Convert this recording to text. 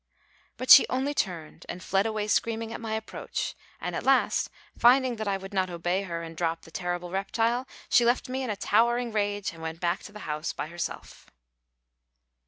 But she only turned and fled away screaming at my approach, and at last, finding that I would not obey her and drop the terrible reptile, she left me in a towering rage and went back to the house by herself.